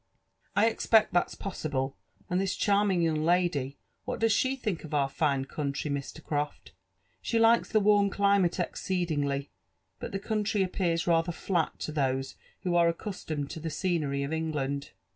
''" I expect that's possible. And this charming young lady, whait does she think of our fine country, Mr. Croft?" She likes the warm climate exceedingly ; but the country appaara rather flat to those who are accustomed to the scenery of England."